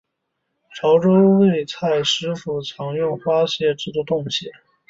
潮洲味菜师傅常利用花蟹制作冻蟹。